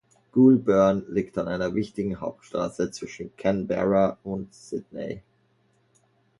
Goulburn liegt an einer wichtigen Hauptstraße zwischen Canberra und Sydney.